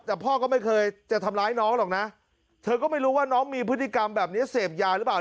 แต่พ่อก็ไม่เคยจะทำร้ายน้องหรอกนะเธอก็ไม่รู้ว่าน้องมีพฤติกรรมแบบนี้เสพยาหรือเปล่า